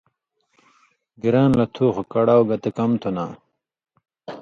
گِران لہ تُھو خو کڑاؤ گتہ کم تُھو نا